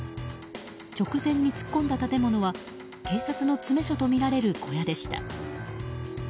直前に突っ込んだ建物は警察の詰め所とみられる小屋でした。